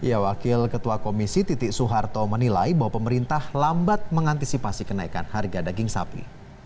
ya wakil ketua komisi titi soeharto menilai bahwa pemerintah lambat mengantisipasi kenaikan harga daging sapi